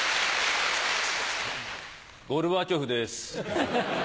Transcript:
ゴルバチョフです。